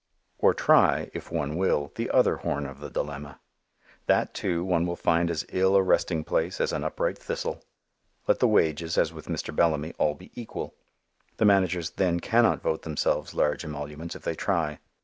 Or try, if one will, the other horn of the dilemma. That, too, one will find as ill a resting place as an upright thistle. Let the wages, as with Mr. Bellamy, all be equal. The managers then cannot vote themselves large emoluments if they try.